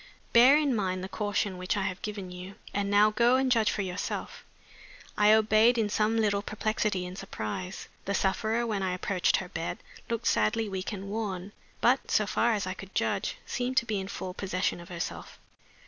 Bear in mind the caution which I have given you and now go and judge for yourself." I obeyed, in some little perplexity and surprise. The sufferer, when I approached her bed, looked sadly weak and worn; but, so far as I could judge, seemed to be in full possession of herself.